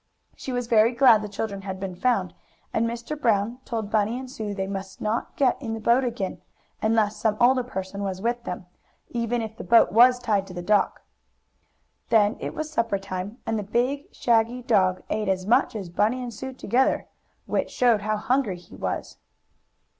"She was very glad the children had been found, and Mr. Brown told Bunny and Sue they must not get in the boat again, unless some older person was with them, even if the boat was tied to the dock. Then it was supper time, and the big, shaggy dog ate as much as Bunny and Sue together, which showed how hungry he was.